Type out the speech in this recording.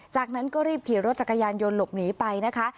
จากนั้นก็รีบขี่รถจักรยานยนต์หลบหนีไปนะคะ